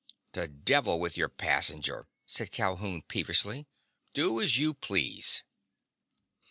"To the devil with your passenger!" said Calhoun peevishly. "Do as you please!"